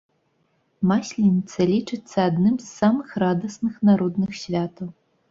Масленіца лічыцца адным з самых радасных народных святаў.